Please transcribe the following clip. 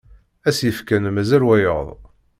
Ass yefkan mazal wayeḍ.